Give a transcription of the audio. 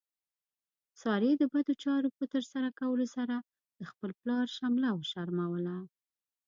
سارې د بدو چارو په ترسره کولو سره د خپل پلار شمله وشرموله.